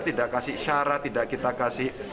tidak kasih syarat tidak kita kasih